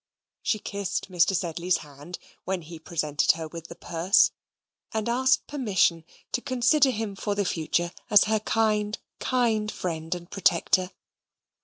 She kissed Mr. Sedley's hand, when he presented her with the purse; and asked permission to consider him for the future as her kind, kind friend and protector.